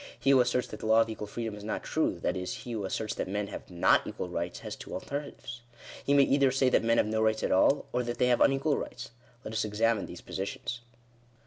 He who asserts that the law of equal freedom is not true, that is, he who asserts that men have not equal rights, has two alternatives. He may either say that men have no rights at all, or that they have unequal rights. Let us examine these positions.